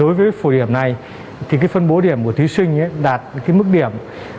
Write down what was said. đối với phổ điểm này thì cái phân bố điểm của thí sinh đạt cái mức điểm